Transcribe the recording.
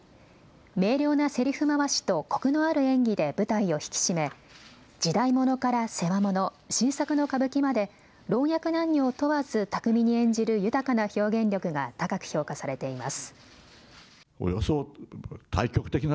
明瞭なせりふ回しとコクのある演技で舞台を引き締め時代物から世話物、新作の歌舞伎まで老若男女を問わず巧みに演じる豊かな表現力が高く評価されています。